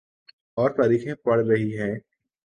اورتاریخیں پڑ رہی ہیں۔